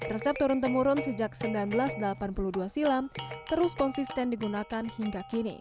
resep turun temurun sejak seribu sembilan ratus delapan puluh dua silam terus konsisten digunakan hingga kini